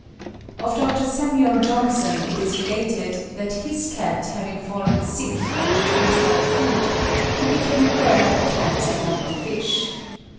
Of Dr. Samuel Johnson it is related, that his cat having fallen sick and refused all food, he became aware that cats are fond of fish.